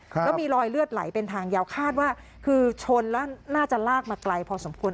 แล้วมีรอยเลือดไหลเป็นทางยาวคาดว่าคือชนแล้วน่าจะลากมาไกลพอสมควร